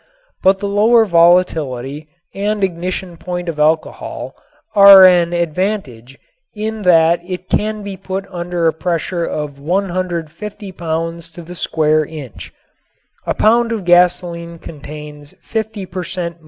But the lower volatility and ignition point of alcohol are an advantage in that it can be put under a pressure of 150 pounds to the square inch. A pound of gasoline contains fifty per cent.